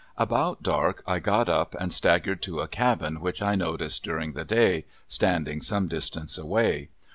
About dark I got up and staggered to a cabin which I noticed during the day, standing some distance away.